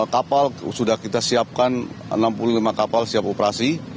kapal sudah kita siapkan enam puluh lima kapal siap operasi